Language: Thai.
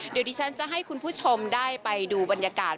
เดี๋ยวดิฉันจะให้คุณผู้ชมได้ไปดูบรรยากาศ